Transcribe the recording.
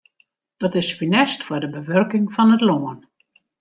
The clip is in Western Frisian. Dat is funest foar de bewurking fan it lân.